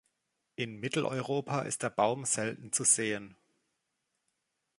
In Mitteleuropa ist der Baum selten zu sehen.